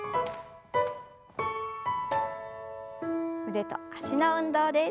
腕と脚の運動です。